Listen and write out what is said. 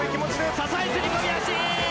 支え釣り込み足！